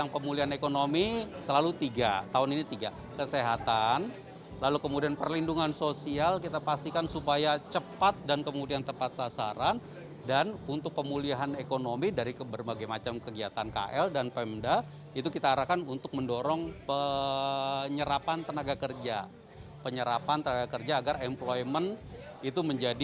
pemerintah yang fleksibel tersebut